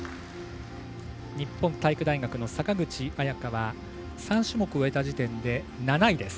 日本体育大学の坂口彩夏は３種目を終えた時点で７位。